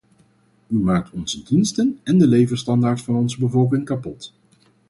U maakt onze diensten en de levensstandaard van onze bevolking kapot.